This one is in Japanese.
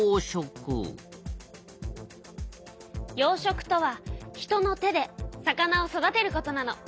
養殖とは人の手で魚を育てることなの。